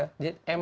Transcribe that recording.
muka kewenangan mk